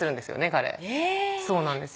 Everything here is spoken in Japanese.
彼えぇそうなんですよ